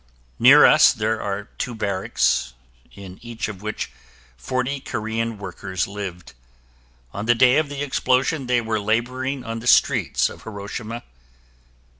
Near us there are two barracks, in each of which forty Korean workers lived. On the day of the explosion, they were laboring on the streets of Hiroshima.